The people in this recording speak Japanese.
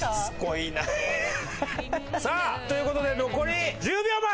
さあという事で残り１０秒前！